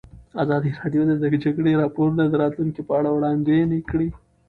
ازادي راډیو د د جګړې راپورونه د راتلونکې په اړه وړاندوینې کړې.